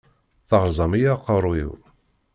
Teṛẓamt-iyi aqeṛṛuy-iw.